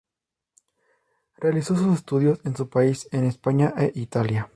Realizó sus estudios en su país, en España e Italia.